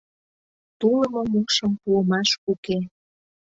Тулымо мушым пуымаш уке...